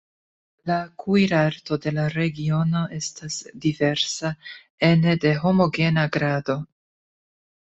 La kuirarto de la regiono estas diversa ene de homogena grado.